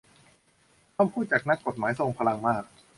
คำพูดจากนักกฎหมายทรงพลังมาก